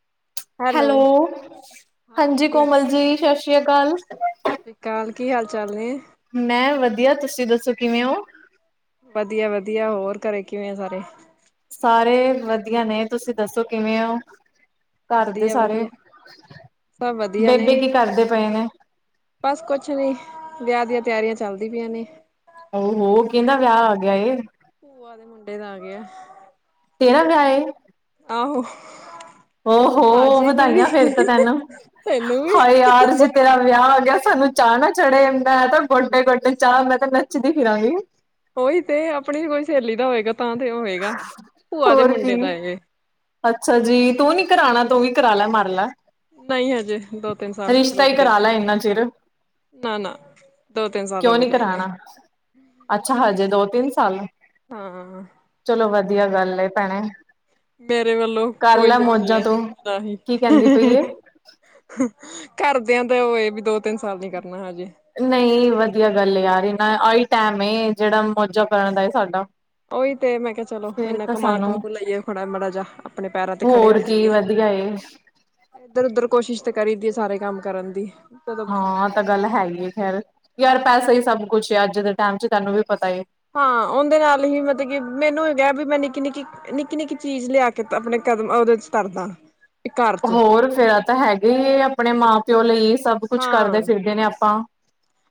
[inaudible] Hello ਹਾਂ ਹਾਂਜੀ ਅੰਜਲੀ ਕੋਮਲ ਸਤਿ ਜੀ ਸਤਿ ਸ੍ਰੀ ਅਕਾਲ ਸ਼੍ਰੀ ਅਕਾਲ ਕੀ ਹਾਲ ਚਾਲ ਨੇ ਮੈਂ ਵਧੀਆ ਤੁਸੀਂ ਦੱਸੋ ਕਿਵੇਂ ਹੋ ਵਧੀਆ ਵਧੀਆ ਹੋਰ ਘਰੇ ਕਿਵੇਂ ਆ ਸਾਰੇ ਸਾਰੇ ਵਧੀਆ ਨੇ ਤੁਸੀਂ ਦੱਸੋ ਕਿਵੇਂ ਹੋ? ਘਰਦੇ ਵਧੀਆ ਸਾਰੇ ਵਧੀਆ ਸਭ ਵਧੀਆ ਨੇ ਬੇਬੇ ਕੀ ਕਰਦੇ ਪਏ ਨੇ? ਬਸ ਕੁਛ ਨੀ ਵਿਆਹ ਦੀਆਂ ਤਿਆਰੀਆਂ ਚੱਲਦੀ ਪਈਆਂ ਨੇ। ਆ ਹੋ ਕਿਦਾ ਵਿਆਹ ਆ ਗਿਆ ਏ। ਭੂਆ ਦੇ ਮੁੰਡੇ ਦਾ ਆ ਗਿਆ। ਤੇ ਨਾ ਗਏ [unintelligible] ਆਹੋ ਹੋ ਆਜੀ ਤੂੰ ਵਧਾਈਆਂ ਵੀ ਫੇਰ ਤਾਂ ਤੈਨੂੰ ਵੀ ਹਾਏ ਯਾਰ ਜੇ ਤੇਰਾ ਵਿਆਹ ਹੋ ਗਿਆ ਸਾਨੂੰ ਚਾਹ ਨਾ ਚੜੇਦਾ ਤਾਂ ਗੋਡੇ ਗੋਡੇ ਚਾਹ ਮੈਂ ਤੇ ਨੱਚਦੀ ਫਿਰਾ ਗੀ ਉਹੀ ਤੇ ਆਪਣੀ ਕੋਈ ਸਹੇਲੀ ਦਾ ਹੋਏਗਾ ਤਾਂ ਤੇ ਹੋਏਗਾ ਭੂਆ ਦੇ ਹੋਰ ਮੁੰਡੇ ਕੀ ਦਾ ਇਹ ਅੱਛਾ ਜੀ ਤੂੰ ਨੀ ਕਰਾਉਣਾ ਤੂੰ ਵੀ ਕਰਾ ਲੈ ਮਰ ਲੈ ਨਹੀਂ ਹਜੇ ਦੋ ਤਿੰਨ ਸਾਲ ਰਿਸ਼ਤਾ ਰੁਕ ਹੀ ਜਾ ਕਰਾ ਤੂੰ ਲੈ ਇੰਨਾ ਚਿਰ ਨਾ ਨਾ ਦੋ ਤਿੰਨ ਸਾਲ ਕਿਉਂ ਰੁਕ ਨੀ ਜਾ ਹਜੇ ਕਰਾਉਣਾ ਅੱਛਾ, ਹਜੇ ਦੋ ਤਿੰਨ ਸਾਲ ਹਾਂ ਚਲੋ ਵਧੀਆ ਗੱਲ ਭੈਣੇ। ਮੇਰੇ ਵੱਲੋਂ ਕਰ ਲੈ ਕੋਈ ਉਹ ਨੀ ਮੌਜਾਂ ਤੂੰ ਹੈਦਾਹੀ ਕੀ ਕਹਿੰਦੀ ਪਈ ਏ ਕਰਦਿਆਂ ਤੇ ਉਹ ਇਹ ਵੀ ਦੋ ਤਿੰਨ ਸਾਲ ਨੀ ਗੱਲ ਨਹੀਂ ਵਧੀਆ ਗੱਲ ਯਾਰ ਹੈ ਇਹ ਨਾ ਆਹੀ ਟਾਈਮ ਜਿਹੜਾ ਮੌੋਜਾ ਕਰਨ ਦਾ ਸਾਡਾ ਉਓਹੀ ਤੇ ਮੈਂ ਕਿਹਾ ਚਲੋ ਫੇਰ ਇੰਨਾ ਤਾਂ ਕਮਾ ਸਾਨੂੰ ਕਮੂ ਲਈਏ ਖੜਾ ਮਾੜਾ ਜਿਹਾ ਆਪਣੇ ਪੈਰਾਂ ਤੇ ਖੜੇ ਹੋ ਜਾਈਏ ਹ [unintelligible] ਇਧਰ ਉਧਰ ਕੋਸ਼ਿਸ਼ ਤੇ ਕਰੀ ਦੀ ਹੈ ਸਾਰੇ ਕੰਮ ਕਰਨ ਦੀ। ਜਦੋਂ ਹਾਂ ਤਾਂ ਗੱਲ ਹੈ, ਹੀ ਖੈਰ ਯਾਰ ਪੈਸਾ ਹੀ ਸਭ ਕੁਛ ਅੱਜ ਦੇ ਟਾਈਮ ਚ ਤੈਨੂੰ ਵੀ। ਪਤਾ ਏ ਹਾਂ ਉਹਦੇ ਨਾਲ ਹੀ ਮਤਲਬ ਕਿ ਮੈਨੂੰ ਹੀ ਕਿਹਾ ਵੀ ਮੈਂ ਨਿੱਕੀ ਨਿੱਕੀ ਨਿੱਕੀ ਨਿੱਕੀ ਚੀਜ਼ ਲਿਆ ਕੇ ਆਪਣੇ ਕਦਮ ਉਹਦੇ ਚ ਤਰਦਾ ਹੋਰ ਫੇਰ ਤਾਂ ਹੈਗੇ ਹੀ ਹੈ ਆਪਣੇ ਮਾਂ ਪਿਓ ਲਈ ਸਭ ਕੁਛ ਕਰਦੇ ਹਾਂ ਫਿਰਦੇ ਨੇ ਆਪਾਂ।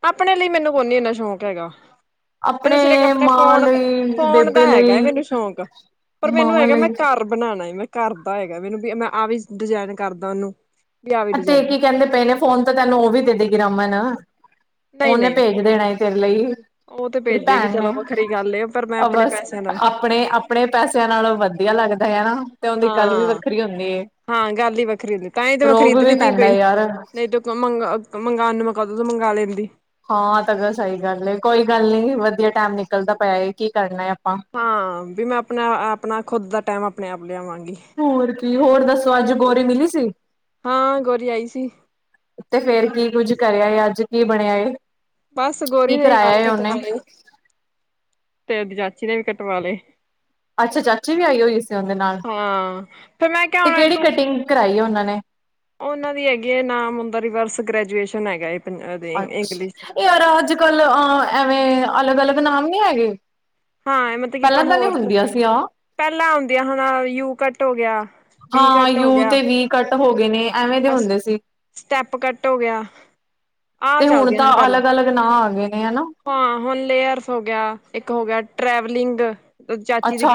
ਆਪਣੇ ਲਈ ਮੈਨੂੰ ਕੋ ਨੀ ਇੰਨਾ ਸ਼ੌਕ ਹੈਗਾ। ਮੈਨੂੰ ਸਿਰ ਆਪਣੇ ਮਾਂ ਫੋਨ ਲਈ ਫੋਨ ਦਾ ਬੇਬੇ ਹੈਗਾ ਹੈ ਲਈ ਮੈਨੂੰ ਸ਼ੌਕ ਪਰ ਮੈਨੂੰ ਮਾਵਾਂ ਹੈਗਾ ਮੈਂ ਲਈ ਘਰ ਬਣਾਉਣਾ ਮੈਂ ਘਰ ਦਾ ਹੈਗਾ ਮੈਨੂੰ ਵੀ ਮੈਂ ਆਹ ਵੀ ਡਿਜਾਇਨ ਕਰਦਾ ਉਹਨੂੰ ਵੀ ਆਹ ਵੀ ਤੇ ਡਿਜ਼ਾਇਨ ਕੀ ਕਹਿੰਦੇ ਪਏ ਨੇ ਫੋਨ ਤੋਂ ਤੈਨੂੰ ਉਹ ਵੀ ਤੇ ਡੇ ਗ ਰਮਨ ਨਹੀਂ ਉਹਹਨੇ ਨਹੀਂ ਭੇਜ ਦੇਣਾ ਤੇਰ ਲਈ ਉਹ ਤੇ ਤੇਰੀ ਭੇਜੇਗੀ ਭੈਣ ਚਲੋ ਨੇ ਵੱਖਰੀ ਗੱਲ ਏ ਪਰ ਮੈਂ ਉਹ ਆਪਣੇ ਬਸ ਪੈਸਿਆਂ ਦਾ ਆਪਣੇ ਆਪਣੇ ਪੈਸਿਆਂ ਨਾਲੋਂ ਵਧੀਆ ਲੱਗਦ ਾਰ [unintelligible] ਹਾਂ-ਹਾਂ ਗੱਲ ਹੀ ਵੱਖਰੀ ਹੁੰਦੀ ਤਾਂ ਹੀ ਤੇ ਰੋਬ ਵੀ ਖਰੀਦਣ ਦੀ ਪੈਂਦਾ ਪਈ ਯਾਰ ਨਹੀਂ ਤੂੰ ਮੰ ਮੰਗਉਣ ਕਦ ਤੂੰ ਮੰਗ ਲੈਂਦੀ ਹਾਂ ਤਾਂ ਸਹੀ ਗੱਲ ਕੋਈ ਗੱਲ ਨੀ ਵਧੀਆ ਟਾਈਮ ਨਿਕਲਦਾ ਪਿਆ ਕੀ ਕਰਨਾ। ਆਪਾਂ ਹਾਂ, ਵੀ ਮੈਂ ਅਪਣਾ ਆਪਣਾ ਖੁਦ ਦਾ ਟੈਮ ਆਪਣੇ ਆਪ ਲਿਆਵਾਂਗੀ। ਹੋਰ ਹੋਰ ਦੱਸੋ ਅੱਜ ਗੋਰੀ ਮਿਲੀ ਸੀ। ਹਾਂ ਗੋਰੀ ਆਈ ਸੀ। ਕਰ ਆਏ ਅੱਜ ਕੀ ਬਣਿਆ ਏ? ਬਸ ਗੋਰੀ ਕੀ ਨੇਈ ਕਰਾਇਆ ਵਾਲ ਏ ਉਹਨੇ ਕਟਵਾਲੇ [unintelligible] [unintelligible] ਕਟਵਾਲੇ। ਅੱਛਾ ਚਾਚੀ ਵੀ ਆਈ ਹੋਈ ਸੀ, ਉਂਦੇ ਨਾਲ ਹਾਂ ਫੇਰ ਮੈਂ ਤੇ ਕੇੜੀ ਕਟਿੰਗ ਕਰਾਈ ਹੈ ਉਹਨਾਂ ਨੇ? ਊਨਾਂ ਦੀ ਹੈਗੀ ਏ, ਨਾਮ ੳਂਂਨਦਾ ਰਿਵਰਸ ਗ੍ਰੈਜੂਏਸ਼ਨ ਹੈਗਾ ਏ। ਅੱਛਾ ਇੰਗਲਿਸ਼ ਚ। ਇ [unintelligible] ਅੱਜ ਕੱਲ ਅ ਐਵੇਂ ਅਲੱਗ ਅਲੱਗ ਨਾਮ ਨੀ ਹੈਗੇ। ਹਾਂ ਮਤਲਬ ਕਿ ਅਪਾਂ ਪਹਿਲਾਂ ਤਾਂ ਨੀ ਹੋਰ, ਹੁੰਦੀਆਂ ਸੀ ਆਹ ਪੈਲਾਂ ਆਉਂਦੀਆਂ ਹਣਾ ਯੂ ਕੱਟ ਹੋ ਗਿਆ। ਹਾਂ ਯੂ ਤੇ ਵੀ ਕੱਟ ਹੋ ਗਏ ਨੇ। ਐਵੇਂ ਦੇ ਅ ਹੁੰਦੇ ਸੀ ਸਟੈਪ ਕੱਟ ਹੋ ਗਿਆ। ਆਹ ਤੇ ਹੁਣ ਚੱਲਦੀਆਂ ਤਾਂ ਹਨ ਪੈਲਾਂ। ਅਲੱਗ ਅਲੱਗ ਨਾਂ ਆ ਗਏ ਨੇ ਹਨਾ ਹਾਂ ਹੁਣ ਲੇਅਰਸ ਹੋ ਗਿਆ, ਇੱਕ ਹੋ ਗਿਆ ਟ੍ਰੈਵਲਿੰਗ। ਅੱਛਾ,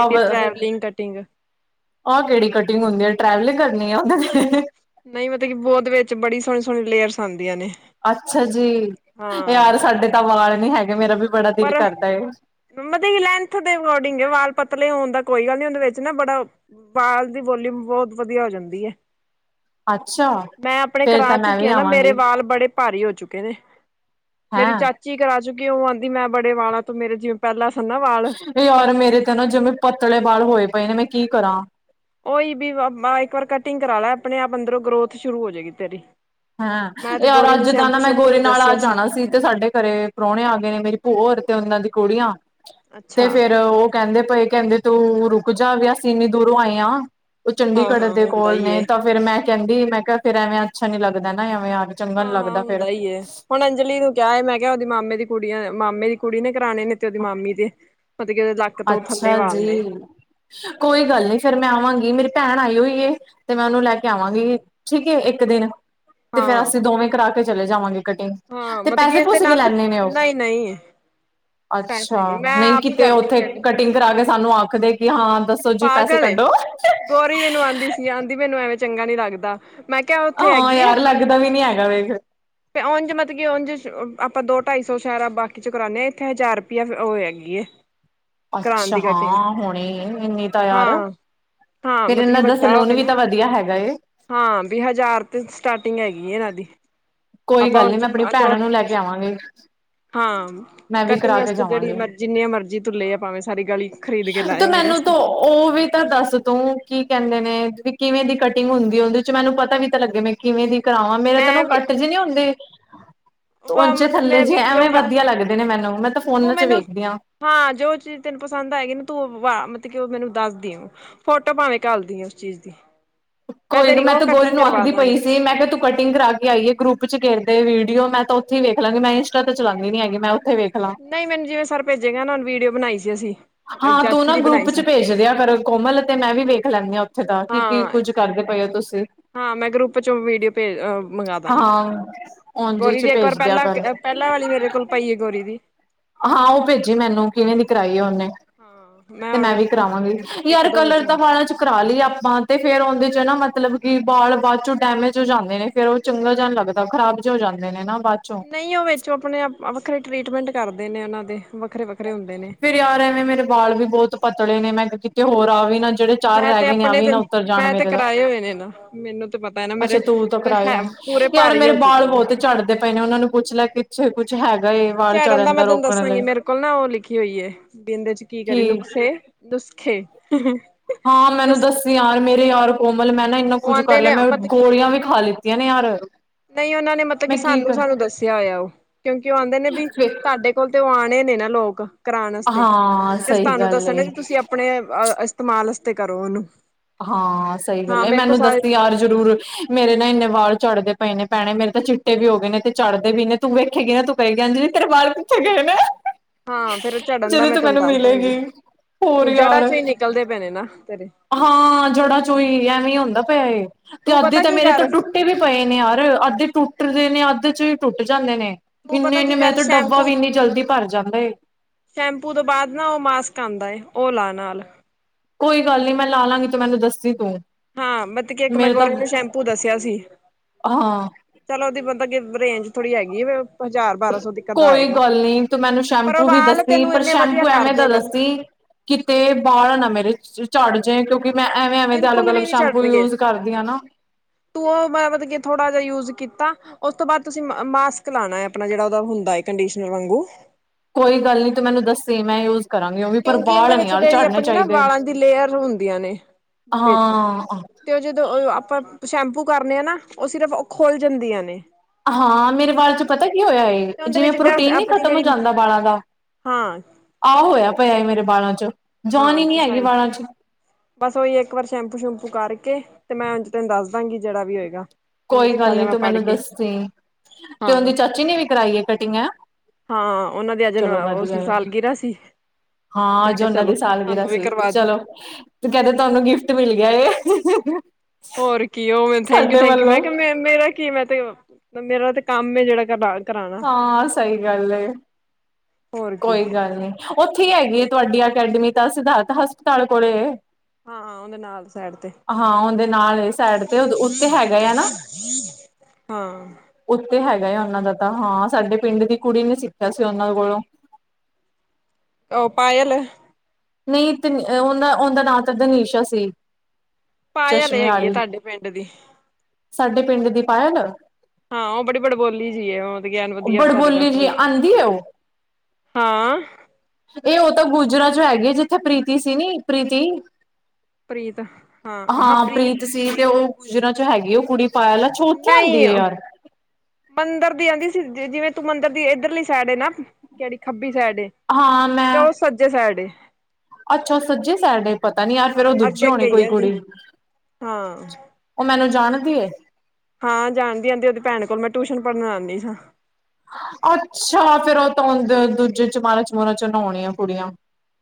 ਆ ਕੇੜੀ ਕਟਿੰਗ ਹੁੰਦੀ ਅ ਟ੍ਰਵਲਿੰਗ ਕ। [unintelligible] ਨਈ ਮਤਲਬ ਕਿ ਬੋਤ ਵਿੱਚ ਬੜੀ ਸੋਣੀ-ਸੋਣੀ ਲੇਅਰਸ ਆਉਂਦੀਆਂ ਨੇ। ਅੱਛਾ ਜੀ, ਹਾਂ ਯਾਰ ਸਾਡੇ ਤਾਂ ਵਾਲ ਨੀ ਹੈਗੇ ਮੇਰਾ ਵੀ ਬੜਾ ਦਿਲ ਪਰ ਕਰਦਾ ਏ ਮਤਲਬ ਲੈਂਥ ਦੇ ਅਕੋਰਡਿੰਗ ਵਾਲ ਪਤਲੇ ਹੋਣ ਦਾ ਕੋਈ ਗੱਲ ਨੀ ਉਹਦੇ ਵਿੱਚ ਨਾ ਬੜਾ ਬਾਲ ਦੀ ਵੋਲੀਮ ਬਹੁਤ ਵਧੀਆ ਹੋ ਜਾਂਦੀ ਏ। ਅੱਛਾ ਮੈਂ ਅਪਣੇ ਫੇਰ ਕਰਾ ਤਾਂ ਮੈਂ ਵੀ ਚੁੱਕਿਆ ਨਾ ਮੇਰੇ ਆਵਾਂਗੀ ਵਾਲ ਬੜੇ ਭਾਰੀ ਹੋ ਚੁੱਕੇ ਮੇਰੀ ਹੈਂ ਚਾਚੀ ਕਰਾ ਚੁੱਕੀ, ਉਹ ਆਂਦੀ ਮੈਂ ਬੜੇ ਵਾਲਾ ਤੋਂ ਮੇਰੇ ਜਿਵੇਂ ਪਹਿਲਾਂ ਸਨ ਨਾ ਵਾਲ ਏ ਯਾਰ, ਮੇਰੇ ਤੇ ਨਾ ਜਿਵੇਂ ਪਤਲੇ ਬਾਲ ਹੋਏ ਪਏ ਨੇ ਮੈਂ ਕੀ ਕਰਾ? ਉਹੀ ਵੀ ਇੱਕ ਵਾਰ ਕਟਿੰਗ ਕਰਾ ਲੈ ਆਪਣੇ ਆਪ ਅੰਦਰੋਂ ਗਰੋਥ ਸ਼ੁਰੂ ਹੋ ਜੇਗੀ ਤੇਰੀ। ਹੈਂ ਮੈਂ ਤੇ ਯਾਰ ਗੋਰੀ ਨੂੰ ਅੱਜਦਾਂ ਸ਼ੈਂਪੂ ਨਾ ਮੈਂ ਸ਼ੈਂਪੂ ਗੋਰੀ ਵੀ ਨਾਲ ਦੱਸਿਆ ਆਜ ਆਣਾ ਸੀ, ਤੇ ਸਾਡੇ ਘਰੇ ਪ੍ਰਾਹਣੇ ਆ ਗਏ ਨੇ ਮੇਰੀ ਭੂ ਹੋਰ ਤੇ ਉਹਨਾਂ ਦੀ ਕੁੜੀਆਂ, ਅੱਛਾ ਤੇ ਫੇਰ ਊ ਕੈੰਦੇ ਪਏ ਕੈੰਦੇ ਤੂੰ ਰੁ [unintelligible] ਵੀ ਅਸੀਂ ਇੰਨੀ ਦੂਰੋਂ ਆਏ ਹਾਂ। ਉਹ ਹਾਂ ਚੰਡੀਗੜ੍ਹ ਹਾਂ ਦੇ ਹੁੰਦਾ ਕੋਲ ਹੀ ਏ। ਨੇ ਤਾਂ, ਫਿਰ ਮੈਂ ਕੈੰਦੀ ਮੈਂ ਕਿਹਾ ਫਿਰ ਐਵੇਂ ਅੱਛਾ ਨੀ ਲੱਗਦਾ ਨਾ ਐਵੇਂ ਚੰਗਾ ਨੀ ਹਾਂ ਹਾਂ ਲੱਗਦਾ ਫੇਰ ਹੁੰਦਾ ਈ ਏ, ਹੁਣ ਅੰਜਲੀ ਨੂੰ ਕਿਆ ਮੈਂ ਕਿਆ ਉਹਦੀ ਮਾਮੇ ਦੀ ਕੁੜੀਆਂ ਮਾਮੇ ਦੀ ਕੁੜੀ ਨੇ ਕਰਾਣੇ ਨੇ ਤੇ ਉਹਦੀ ਮਾਮੀ ਦੇ ਮਤਲਬ ਕਿ ਉਹਦੇ ਲੱਕ ਤੋਂ ਥੱਲੇ ਅੱਛਾ ਵਾਲ ਜੀ, ਨੇ ਕੋਈ ਗੱਲ ਨੀ ਫੇਰ ਮੈਂ ਆਵਾਂਗੀ ਮੇਰੀ ਭੈਣ ਆਈ ਹੋਈ ਏ ਤੇ ਮੈਂ ਉਨੂੰ ਲੈ ਕੇ ਆਵਾਂਗੀ, ਠੀਕ ਏ ਇੱਕ ਦਿਨ ਤੇ ਫੇਰ ਅਸੀਂ ਹਾਂ-ਹਾਂ-ਹਾਂ ਦੋਵੇਂ ਕਰਾ ਕੇ ਚਲੇ ਜਾਵਾਂਗੇ। ਕਟਿੰਗ ਤੇ ਮਤਲਬ ਕਿ ਪੈਸੇ ਇਹਦੇ ਪੂਸੇ ਵੀ ਨਾਲ ਤਾਂ ਲੈਂਦੇ ਨੇ ਉਹ ਨਈ-ਨਈ ਅੱਛਾ ਪੈਸੇ ਨੀ ਮੈਂ ਨਈ, ਆਪ ਈ ਕਿਤੇ ਕਰਨੀ ਉੱਥੇ ਕਟਿੰਗ ਕਰਾ ਕੇ ਸਾਨੂੰ ਆਖਦੇ ਕਿ ਹਾਂ ਦੱਸੋ ਜੀ ਪੈਸੇ ਪਾਗਲ ਏ ਕੱਢੋ ਗੋਰੀ ਮੈਨੂੰ ਆੰਦੀ ਸੀ, ਆੰਦੀ ਮੈਨੂੰ ਐਵੇਂ ਚੰਗਾ ਨੀ ਲੱਗਦਾ ਮੈਂ ਕਿਆ, ਉੱਥੇ ਹਾਂ ਹੈਗੀ ਆ ਯਾਰ ਲੱਗਦਾ ਵੀ ਨੀ ਹੈਗਾ ਵੇਖ ਤੇ ਉੰਝ ਮਤਲਬ ਕੀ ਉੰਝ [unintelligible] ਆਪਾਂ ਦੋ ਢਾਈ ਸੌ ਸ਼ੈਰਾ ਬਾਕੀ ਚ ਕਰਾਨੇ [unintelligible] ਹਜ਼ਾਰ ਰੁਪਇਆ [unintelligible] ਉਹ ਹੈਗੀ ਕਰਾਣ ਅੱਛਾ ਦੀ ਕਟਿੰਗ ਹਾਂ ਹੁਣੇ ਇਨੀ ਤਾਂ ਯਾਰ। ਹਾਂ, ਫੇਰ ਮਤਲਬ ਕੀ ਇਹਨਾਂ ਦਾ ਵੱਡਾ ਸਲੂਨ ਹੋਵੇ ਵੀ ਨਾ, ਤਾਂ ਵਧੀਆ ਹੈਗਾ ਏ ਹਾਂ ਵੀ ਹਜ਼ਾਰ ਤੇ ਸਟਾਰਟ ਟਿੰਗ ਹੈਗੀ ਇਨਾਂ ਦੀ ਕੋਈ ਆਪਾਂ ਗੱਲ ਨੀ, ਮੈਂ ਪਣੀ ਭੈਣ ਨੂੰ ਲੈ ਕੇ ਆਵਾਂਗੀ ਹਾਂ ਮੈਂ ਵੀ ਕਟਿੰਗ ਕਰਾ ਕੇ ਆਸਤੇ ਜੜੀ ਜਾਵਾਂਗੀ ਮਰਜੀ ਜਿੰਨੀਆਂ ਮਰਜ਼ੀ ਤੂੰ ਲੈ ਆ ਭਾਵੇਂ, ਸਾਰੀ ਗਲੀ ਖਰੀਦ ਕੇ ਲੈਆ ਮੇਰੇ ਵਸਤੇ। ਊ ਵੀ ਤਾਂ ਦੱਸ ਤੂੰ ਕੀ ਕਹਿੰਦੇ ਨੇ ਵੀ ਕਿਵੇਂ ਦੀ ਕਟਿੰਗ ਹੁੰਦੀ, ਉਹਦੇ ਚ ਮੈਨੂੰ ਪਤਾ ਵੀ ਤਾਂ ਲੱਗੇ ਮੈਂ ਕਿਵੇਂ ਦੀ ਕਰਾਵਾਂ ਮੇਰਾ [unintelligible] ਕੱਟ ਜੇ ਨੀ ਹੁੰਦੇ ਉੰਚੇ [unintelligible] ਤੇ ਥੱਲੇ ਮੈਂ ਜੇ ਵੀਡੀਓ ਐਵੇਂ ਵਧੀਆ ਲੱਗਦੇ ਨੇ ਮੈਨੂੰ ਮੈਂ ਤਾਂ ਤੂੰ ਫੋਨਾਂ ਚ ਮੈਨੂੰ, ਵੇਖਦੀ ਹਾਂ ਜੋ ਚੀਜ਼ ਤੈਨੂੰ ਪਸੰਦ ਆਏਗੀ ਨਾ ਤੂੰ ਮਤ ਕਿ ਉਹ ਮੈਨੂੰ ਦੱਸਦੀ, ਆ ਫੋਟੋ ਭਾਵੇਂ ਘਾਲਦੀ ਆ ਉਸ ਚੀਜ਼ ਦੀ। ਕੋਈ ਨੀ ਤੇਰੀ ਮੈਂ ਉਹ ਤੇ ਗੋਰੀ ਕਟਿੰਗ ਨੂੰ ਕਰਵਾ ਆਖਦੀ ਪਈ ਦਾਂਗੀ ਸੀ। ਮੈਂ ਕਿਹਾ ਤੂੰ ਕਟਿੰਗ ਕਰਾ ਕੇ ਆਈ ਏ ਗਰੁੱਪ ਚ ਘੇਰ ਤੇ ਵੀਡੀਓ ਮੈਂ ਤਾਂ ਉੱਥੇ ਵੇਖ ਲਾਂਗੀ, ਮੈਂ ਇੰਸਟਾ ਚਲਾਂਦੀ ਨੀ ਹੈਗੀ। ਵੇਖ ਲਾਂ ਨਹੀਂ ਮੈਨੂੰ ਜਿਵੇਂ ਸਰ ਭੇਜੇਗਾ ਉਹ ਨੇ ਵੀਡੀਓ ਬਣਾਈ ਸੀ ਅਸੀਂ। ਹਾਂ ਤੂੰ ਚਾਚੀ ਨਾ ਦੀ ਬਣਾਈ ਗਰੁੱਪ ਚ ਸੀ ਭੇਜਦੇ ਆ ਫ ਕੋਮਲ ਤੇ ਮੈਂ ਵੀ ਵੇਖ ਲੈਂਦੀ ਹਾਂ । ਉੱਥੇ ਦਾ ਕੀ ਕੀ ਹਾਂ ਕੁੱਝ ਕਰਦੇ ਪਏ ਹੋ ਤੁਸੀਂ ਹਾਂ ਮੈਂ ਗਰੁੱਪ ਚ ਵੀਡੀਓ ਮੰਗਾ ਦਾਂਗੀ। ਹਾਂ ਉਝ ਗੋਰੀ ਚ ਦੀ ਇੱਕ ਵਾਰ ਭੇਜ ਦਿਆ ਪਹਿਲਾਂ ਕਰ ਪਹਿਲਾਂ ਵਾਲੀ ਮੇਰੇ ਕੋਲ ਪਈ ਹੈ ਗੋਰੀ ਦੀ। ਹਾਂ ਉਹ ਭੇਜੀ ਮੈਨੂੰ ਕਿਵੇਂ ਦੀ ਕਰਾਈ ਹੈ ਉਹਨੇ। ਹਾਂ ਤੇ ਹੁਣ ਮੈਂ ਵੀ ਮਤਲਬ ਕਰਾਵਾਂਗੀ ਇੱਕ ਯਾਰ ਦੋ ਕਲਰ ਵਿੱਚੋਂ ਤਾਂ ਫਾਂ ਚ ਕਰਾ ਲਈ ਆਪਾਂ ਤੇ ਫੇਰ ਉਹਦੇ ਚ ਨਾ। ਮਤਲਬ ਕਿ ਬ ਬਾਅਦ ਚੋਂ ਡੈਮੇਜ ਹੋ ਜਾਂਦੇ ਨੇ ਫੇਰ ਉਹ ਚੰਗਾ ਜ ਜਾਣ ਲੱਗਦਾ ਖਰਾਬ ਜ ਹੋ ਜਾਂਦੇ ਨੇ ਨਾ। ਬਾਅਦ ਚੋਂ ਨਹੀਂ ਉਹ ਵਿੱਚੋ ਆਪਣੇ ਆਪ ਵੱਖਰੇ ਟਰੀਟਮੈਂਟ ਕਰਦੇ ਨੇ ਉਹਨਾਂ ਦੇ ਵ। ਫੇਿਰ ਆ ਰਹੇਵੇਂ ਮੇਰੇ ਬਾਲ ਵੀ ਬਹੁਤ ਪਤਲੇ ਨੇ ਮੈਂ ਕਿਤੇ ਹੋਰ ਆ ਵੀ। ਜਿਹੜੇ ਚਾਰ ਮੈਂ ਰਹਿ ਤੇ ਗਏ ਨੇ ਆ ਆਪਣੇ ਵੀ ਤੇ ਨਾ ਉੱਤਰ ਜਾਣ ਮੈਂ ਤੇ ਮੇਰੇ ਦਾ ਕਰਾਏ ਹੋਏ ਨੇ ਨਾ ਮੈਨੂੰ ਤੇ ਪਤਾ ਹੈ ਨਾ ਅੱਛਾ ਮੇਰੇ ਤੂੰ ਤਾਂ ਕਰਾਏ। ਹੈ ਪੂਰੇ ਯਾਰ ਭਾਰੀ ਮੇਰੇ ਹੋ ਬਾਲ ਚੁੱਕੇ ਨੇ ਬਹੁਤੇ ਚਝੜਦੇ ਪਏ ਨੇ ਉਹਨਾਂ ਨੂੰ ਪੁੱਛ ਲਿਆ ਕਿੱਥੇ ਕੁੱਛ ਹੈਗਾ। ਇਹ ਵਾਲ ਚੜ ਜਾਂਦਾ ਰੋਕਣ ਲਈ। ਲ ਨਾ ਉਹ ਲਿਖੀ ਹੋਈ ਹੈ ਵੀ ਇਹਦੇ ਚ ਕੀ ਕਰੀ ਨੁਖਸੇ ਨੁਸਖੇ। ਹਾਂ ਮੈਨੂੰ ਨੁਸਖੇ ਦੱਸ ਯਾਰ ਮੇਰੇ ਯਔਾਰ ਕੋਮਲ ਮੈਂ ਨਾ। ਮੈਂ ਉਹ ਕੁੱਝ ਕਰ ਆਉਂਦੇ ਲਿਆ ਨੇ ਮੈਂ ਮਤਲਬ ਕਿ ਗੋਲੀਆਂ ਵੀ ਖਾ ਲਿੱਤੀਆਂ ਨੇ ਯਾਰ। ਨਹੀਂ ਉਹਨਾਂ ਨੇ ਮਤਲਬ ਕਿ ਮੈਂ ਕੀ ਸਾਨੂੰ ਸਾਨੂੰ ਦੱਸਿਆ ਹੋਇਆ ਉਹ ਕਿਉਂਕਿ ਉਹ ਕਹਿੰਦੇ ਨੇ ਵੀ ਕਰਾਂ ਤੁਹਾਡੇ ਕੋਲ ਤੇ ਉਹ ਨੇ ਨਾ ਲੋਕ ਕਰਾਉਣ ਵਾਤੇ ਹਾਂ ਸਿਰਫ ਸਹੀ ਤੁਹਾਨੂੰ ਗੱਲ ਦੱਸਣ ਏ ਡ ਤੁਸੀਂ ਆਪਣੇਹ ਇਸਤੇਮਾਲ। ਤੇ ਕਰੋ ਉਹਨੂੰ। ਹਾਂ ਸਹੀ ਹਾਂ ਗੱਲ ਮੇਰੇ ਕੋਲ ਮੈਨੂੰ ਸਾਰੇ ਦੱਸੀ ਯਾਰ ਜ਼ਰੂਰ ਮੇਰੇ ਨਾਲ ਇੰਨੇ ਵਾਲ ਚੜ੍ਹਦੇ। ਪਏ ਨੇ ਪੈਣੇ ਮੇਰੇ ਤਾਂ ਚਿੱਟੇ ਵੀ ਹੋ ਗਏ ਨੇ ਤੇ ਚੜਦੇ ਵੀ ਨੇ ਤੂੰ ਵੇਖੇਗੀ ਨਾ ਤੂੰ ਕਹਿ ਗ ਹਾਂ ਤੇਰੇ ਬਾਲ ਕਿੱਥੇ ਗਏ ਨੇ। ਹਾਂ ਫਿਰ ਉਹ ਝੜਨ ਦਾ ਜਦੋਂ ਮੈਂ ਤੂੰ ਤੁਹਾਨੂੰ ਮੈਨੂੰ ਦੱਸ ਮਿਲੇਗੀ ਹੋਰ ਦਾਂਗੀ। ਜੜ੍ਹਾਂ ਯਾਰ ਚੋਂ ਹੀ ਨਿਕਲਦੇ ਪੈਣੇ ਨਾ ਤੇਰੇ। ਹਾਂ ਜੜਾ ਚੋਈ ਐਵੇਂ ਹੁੰਦਾ ਪਿਆ ਇਹ। ਤੇ ਤੂੰ ਅੱਧੇ ਪਤਾ ਤਾਂ ਕੀ ਮੇਰੇ ਤੋਂ ਕਰ ਟੁੱਟੇ ਵੀ ਪਏ ਨੇ ਯਾਰ ਅੱਧੇ ਟੁੱਟਦੇ ਨੇ ਅੱਧੇ ਚ ਵੀ ਟੁੱਟ ਜਾਂਦੇ ਨੇ। ਤੂੰ ਇੰਨੇ ਪਤਾ ਇੰਨੇ ਕੀ ਮੇ ਕਰ ਤੇ ਡੱਬਾ ਸ਼ੈਂਪੂ ਵੀ ਇੰਨੀ ਜਲਦੀ ਭਰ ਜਾਂਦਾ। ਸ਼ੈਂਪੂ ਤੋਂ ਬਾਅਦ ਨਾ ਉਹ ਮਾਸਕ ਆਉਂਦਾ ਓਲਾ ਨਾਲ। ਕੋਈ ਗੱਲ ਨੀ ਮੈਂ ਲਾ ਲਾਂਗੀ ਤੂੰ ਮੈਨੂੰ ਦੱਸੀ ਤੂੰ। ਹਾਂ ਮਤਕ ਕਿ ਇੱਕ ਮੈਂ ਮੇਰੇ ਤਾਂ ਗੋਰੀ ਨੂੰ ਸ਼ੈਂਪੂ ਦੱਸਿਆ ਸੀ। ਹਾਂ ਚਲ ਉਹਦੀ ਬੰਦਾ ਰੇਂਜ ਥੋੜੀ ਹੈਗੀ ਆ ਫੇ। ਕੋਈ ਗੱਲ ਨੀ ਤੂੰ ਮੈਨੂੰ ਪਰ ਉਹ ਸ਼ੈਂਪੂ ਵੀ ਵਾਲ ਦੱਸੀ ਤੈਨੂੰ ਪਰ ਇੰਨੇ ਵਧੀਆ ਸ਼ੈਂਪੂ ਕਰ ਐਵੇਂ ਤਾਂ ਦੇਗਾ ਨਾ ਦੱਸੀ। ਕਿਤੇ ਬਾਹਰ ਨਾ ਮੇਰੇ ਚਝੜ ਜੇ ਕਿਉਂਕਿ ਵੀ ਮੈਂ ਐਵੇਂ ਐਵੇਂ ਤੇ ਅਲੱਗ ਬਿਲਕੁਲ -ਅਲਗ ਵੀ ਨੀ ਸ਼ੈਂਪੂ ਝੜਨਗੇ। ਯੂਜ ਕਰਦੀ ਹ ਨਾ। ਤੂੰ ਉਹ ਮਤਲਬ ਕੇ ਥੋੜ੍ਹਾ ਜਿਹਾ ਯੂਜ ਕੀਤਾ। ਉਸ ਤੋਂ ਬਾਅਦ ਤੁਸੀਂ ਮਾਸਕ ਲਾਉਣਾ ਹੈ ਆਪਣਾ ਜਿਹੜਾ ਉਹਦਾ ਹੁੰਦਾ ਕੰਡੀਸ਼ਨਰ ਵਾਂਗੂ। ਕੋਈ ਗੱਲ ਨੀ ਤੂੰ ਮੈਨੂੰ ਦੱਸੇ ਮੈਂ ਉਸ ਕਿਉਂਕਿ ਇਹਦੇ ਵਿੱਚ ਜਿਹੜੀ ਆਪਣੀ ਵਾਲਾਂ ਦੀ ਲੇਅਰ ਹੁੰਦੀਆਂ ਨੇ। ਵਿੱਚ ਹਾਂ ਤੇ ਉਹ ਜਦੋਂ ਉਹ ਆਪਾਂ। ਸ਼ੈਂਪੂ ਕਰਨੇ ਆ ਨਾ ਉਹ ਸਿਰਫ ਉਹ ਖੁੱਲ੍ਹ ਜਾਂਦੀਆਂ ਨੇ। ਹਾਂ ਮੇਰੇ ਵਾਲ ਚ ਪਤਾ ਕੀ ਹੋਇਆ ਤੇ ਉਹਦੇ ਜਿਵੇਂ ਵਿੱਚ ਡਸ ਪ੍ਰੋਟੀਨ ਨ ਆਪਣੀ ਖ਼ਤਮ ਹੋ ਜਿਹੜੀ ਜਾਂਦਾ ਵਾਲਾਂ ਦਾ। ਹਾਂ ਆਹੋ ਹੋਇਆ ਪਾਇਆਏ ਮੇਰੇ ਬਾਲਾਂ ਚੋਂ। ਹਾਂ ਬਸ ਆਈ ਬਸ ਉਹੀ ਇੱਕ ਵਾਰ ਸ਼ੈਂਪੂ ਸ਼ੈਂਪੂ ਕਰਕੇ। ਤੇ ਮੈਂ ਉ ਤੈਨੂੰ ਦੱਸ ਦਾਂਗੀ ਜਿਹੜਾ ਵੀ ਹੋਏਗਾ। ਕੋਈ ਨੁਸਖਾ ਗੱਲ ਜਿਹਾ ਨੀ ਮੈਂ ਤੂੰ ਪੜ੍ਹ ਮੈਨੂੰ ਕੇ ਦੱਸ ਤੇ ਉਹਦੀ ਹਾਂ ਚਾਚੀ ਨੇ ਵੀ ਕਰਾਈ ਹੈ ਕਟਿੰਗ ਹੈ। ਹਾਂ ਉਹਨਾਂ ਦੀ ਅਜਨ ਉਹ ਸੀ ਸਾਲਗਰਾ ਸੀ। ਮੈਂ ਹਾਂਜ ਕਿਹਾ ਉਹਨਾਂ ਚਲੋ ਦੀ ਸਾਲ ਗਰਾ ਤੁਹਾਨੂੰ ਵੀ ਸੀ ਕਰਵਾ ਦੀ ਚਲੋ ਤੇ ਕਹਿੰਦੇ ਤੁਹਾਨੂੰ ਗਿਫਟ ਮਿਲ ਗਿਆ ਹੈ। [unintelligible] ਹੋਰ ਕੀ ਉਹ ਮ ਥੈਂਕ ਯੂ ਥੈਂਕ ਯੂ ਮੈਂ ਕਿਹਾ ਮ ਮੇਰਾ ਕੀ ਮੈਂ ਤੇ। ਮੇਰਾ ਤੇ ਕੰਮ ਜਿਹੜਾ ਕਰ। ਹਾਂ ਸਹੀ ਗੱਲ ਹੋਰ ਕੀ ਕੋਈ ਗੱਲ ਨੀ ਉੱਥੇ ਹੈਗੀ। ਤੁਹਾਡੀ ਅਕੈਡਮੀ ਤਾਂ ਸਿਧਾਰਥ ਹਸਪਤਾਲ ਕੋਲੇ ਹੈ। ਹਾਂ ਉਹਦੇ ਨਾਲ ਸਾਈਡ ਤੇ ਹਾਂ ਉਹਦੇ ਨਾਲ ਏ ਸਾਈਡ ਹੂੰ ਤੇ ਉੱਤੇ ਹੈਗਾ ਆ ਨਾ ਹੂੰ ਹੂੰ। ਹਾਂ। ਉੱਤੇ ਹੈਗਾ ਉਹਨਾਂ ਦਾ ਤਾਂ ਹਾਂ ਸਾਡੇ ਪਿੰਡ ਦੀ ਕੁੜੀ ਨੇ ਸਿੱਖਿਆ ਸੀ ਉਹਨਾਂ ਕੋਲੋਂ? ਉਹ ਪਾਇਲ। ਨਹੀਂ ਤੇ ਉਹਨਾ ਉਹਦਾ ਨਾਂ ਤਾਂ ਦਨੀਸ਼ਾ ਸੀ। ਪਾਇਲ ਚਸ਼ਮੇ ਹੈਗੀ ਹੈ ਆਲੀ ਤੁਹਾਡੇ ਪਿੰਡ ਦੀ। ਸਾਡੇ ਪਿੰਡ ਦੀ ਪਾਇਲ। ਹਾਂ ਉਹ ਬੜੀ ਬੜਬੋਲੀ ਜੀ ਉਹ। ਗਿਆਨ ਵਧੀਆ ਸਾਡੇ ਦਾ ਬੜਬੋਲੀ ਜੀ ਸਲੂਕ ਆਂਦੀ ਏ ਉਹ ਹਾਂ। ਇਹ ਉਹ ਤਾਂ ਗੁਜਰਾ 'ਚ ਹੈਗੀ ਆ ਜਿੱਥੇ ਪ੍ਰੀਤੀ ਸੀ ਨੀ ਪ੍ਰੀਤੀ। ਪ੍ਰੀਤ ਹਾਂ ਹਾਂ ਪ੍ਰੀਤ ਸੀ। 'ਚ ਹੈਗੀ ਉਹ ਕੁੜੀ ਪਾਇਲ ਅੱਛਾ ਉੱਥੇ ਆਉਦੀ ਹੈ ਨਹੀਂ ਯਾਰ। ਮੰਦਿਰ ਦੀ ਆਂਦੀ ਜਿਵੇਂ ਤੂੰ ਮੰਦਿਰ ਦੀ ਇੱਧਰਲੀ ਸਾਈਡ ਹੈ ਨਾ ਕਿਹੜੀ ਖੱਬੀ। ਸਸੇਡ ਹੈ ਹਾਂ ਤੇ ਮੈਂ ਉਹ ਸੱਜੇ ਸੇਡ ਹੈ। ਅੱਛਾ ਉਹ ਸੱਜੇ ਸੇਡ ਹੈ ਪਤਾ ਨੀ ਯਾਰ ਫੇਰ ਹਾਂ ਉਹ ਦੂਜੀ ਅੱਗੇ ਹੋਣੀ ਅੱਗੇ ਈ ਕੋਈ ਆਂਦੀ ਕੁੜੀ। ਉਹ ਮੈਨੂੰ ਹਾਂ। ਜਾਣਦੀ ਹੈ? ਹਾਂ ਜਾਣਦੀ ਆਂਦੀ ਉਹਦੀ ਭੈਣ ਕੋਲ ਮੈਂ ਟਿਊਸ਼ਨ ਪੜ੍ਹਨ ਆਉਂਦੀ ਸਾ। ਅੱਛਾ ਫੇਰ ਉਹ ਤਾਂ ਉਦੇ ਦੂਜੇ ਚਮਾਰਾਂ ਚਮੂਰਾ 'ਚੋ ਹੋਣੀਆਂ ਕੁੜੀਆਂ।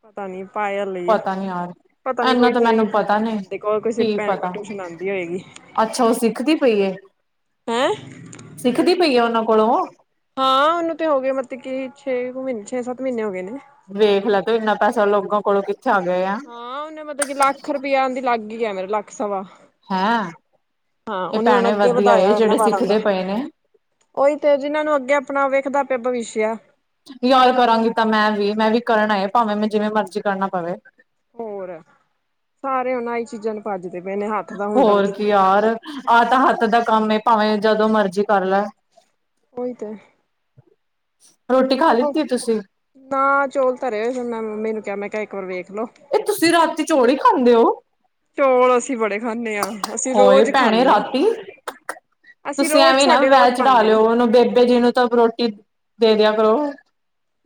ਪਤਾ ਨੀ ਪਾਇਲ ਹੀ ਹੈ। ਪਤਾ ਨੀ ਯਾਰ ਪਤਾ ਨੀ ਇਨਾ ਕੋਈ ਤਾਂ ਤੇਰੀ ਮੈਨੂੰ ਪਤਾ ਨੀ ਭੈਣ ਦੇ ਕੋਲ ਕਿਸੇ ਕੀ ਭੈਣ ਕੋਲ ਪਤਾ ਟਿਊਸ਼ਨ ਆਉਂਦੀ ਹੋਏਗੀ। ਅੱਛਾ ਉਹ ਸਿੱਖਦੀ ਪਈ ਹੈ। ਹੈਂ ਸਿੱਖਦੀ ਪਈ ਹੈ। ਉਹਨਾਂ ਕੋਲੋਂ? ਹਾਂ ਉਹਨੂੰ ਤੇ ਹੋ ਗਏ ਮਤਲਬ ਕੀ ਛੇ ਕੁ ਮਹੀਨੇ ਛੇ ਸੱਤ ਮਹੀਨੇ ਹੋ ਗਏ ਨੇ। ਵੇਖ ਲੈ ਤੇ ਇੰਨਾ ਪੈਸਾ ਲੋਕਾਂ ਕੋਲੋਂ ਕਿੱਥ ਹਾਂ ਔਨੇ ਮਤਲਬ ਕਿ ਲੱਖ ਰੁਪਇਆ ਦੀ ਲੱਗਈ ਆ ਮੇਰੇ ਲੱਖ ਸਵਾ। ਹੈਂ, ਹਾਂ ਇਹ ਉਹਨੇ ਹੁਣ ਭੈਣੇ ਅੱਗੇ ਵਧੀਆ ਏ ਜਿਹੜੇ ਸਿੱਖਦੇ ਪਏ ਨੇ। ਔਹੀ ਤੇ ਜਿਹਨਾਂ ਨੂੰ ਅੱਗੇ ਆਪਣਾ ਵੇਖਦਾ ਪਿਆ ਭਵਿਸ਼ਯ ਆ। ਯਾਰ ਕਰਾਂਗੀ ਤਾਂ ਮੈਂ ਵੀ ਮੈਂ ਵੀ ਕਰ ਏ ਭਾਵੇਂ ਮੈਂ ਜਿਵੇਂ ਮਰਜ਼ੀ ਕਰਨਾ ਪਵੇ। ਹੋਰ ਸਾਰੇ ਹੁਣ ਆਈ ਚੀਜ਼ਾਂ ਚ' ਪੰਜ ਹੋਰ ਕੀ ਯਾਰ ਆਹ ਤਾਂ ਹੱਥ ਦਾ ਕੰਮ ਏ। ਭਾਵੇਂ ਜਦੋਂ ਮਰਜ਼ੀ ਕਰ ਲੇ। ਓਹੀ ਤੇ। ਰੋਟੀ ਖਾ ਲਿੱਤੀ ਏ ਤੁਸੀਂ ਨਾ ਚੋਲ ਧਰੇ ਹੋਏ ਫੇਰ ਮੈਂ ਮੰਮੀ ਨੂੰ ਕਿਹਾ ਮੈਂ ਕਿਹਾ ਇੱਕ ਵਾਰ ਵੇਖ ਲੋ ਉਹ ਤੁਸੀਂ ਰਾਤੀ ਚੋਲ ਹੀ ਖਾਂਦੇ ਹੋ? ਚੌਲ ਅਸੀਂ ਬੜੇ ਖਾਂਨੇ ਹਾਂ। ਅਸੀਂ ਹੋਏ ਰੋਜ਼ ਭੈਣੇ ਖਾਂਨੇ ਹਾਂ। ਰਾਤੀ ਅਸੀਂ ਤੁਸੀਂ ਰੋਜ਼ ਐਵੇਂ ਨਾ ਸਾਡੇ ਵੈਅ ਰੋਜ਼ ਚੜਾ ਬਣਦੇ ਨੇ ਲਯੋ। ਔਨੂੰ ਬੇਬੇ ਜੀ ਨੂੰ ਤਾਂ ਰੋਟੀ ਦੇ ਦਿਆ ਕਰੋ।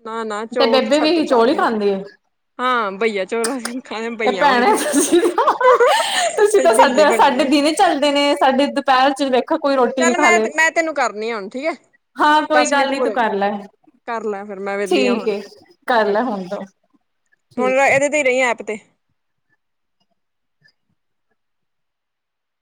ਨਾ ਨਾ ਚੌਲ ਤੇ ਬੇਬੇ ਸਾਡੇ ਵੀ ਚੱਲਦੇ ਨੇ ਹਾਂ ਬਈਆ ਚੌਲ ਖਾਣੇ ਇਹ ਬਈਆ ਭੈਣੇ ਵਾਂਗੂ ਤੁਸੀਂ ਤਾਂ ਤੁਸੀਂ ਅਸੀਂ ਤਾਂ ਬਈਏ ਸਾਡੇ ਬਣੇ ਸਾਡੇ ਹੋਏ ਆ ਦਿਨ ਚੱਲਦੇ ਨੇ। ਤੇ ਸਾਡੇ ਧੁੱਪਹੇਰ 'ਚ ਵੀ ਦੇ ਕੋਈ ਰੋਟੀ ਚੱਲ ਮੈਂ ਤੈਂ ਮੈਂ ਤੈਨੂੰ ਕਰਨੀ ਹੁਣ ਠੀਕ ਏ। ਹਾਂ ਕੋਈ ਗੱਲ ਨੀ ਤੂੰ ਕਰ ਲੈ। ਕਰ ਲੈ ਫੇਰ ਮੈਂ ਵਿਹਲੀ ਆ ਠੀਕ ਹੁਣ ਏ ਫਿਰ ਕਰ ਮੈਂ ਲੈ ਹੁਣ ਤੋਂ ਹੁਣ ਠੀਕ ਏ। ਇਹਦੇ ਤੇ ਰਹੀ। ਐਪ ਤੇ।